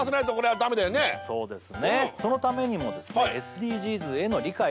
そのためにもですね